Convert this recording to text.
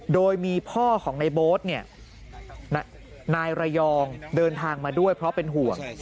โดยมีพ่อของในโบ๊ทนายระยองเดินทางมาด้วยเพราะเป็นห่วง